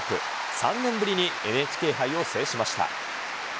３年ぶりにＮＨＫ杯を制しました。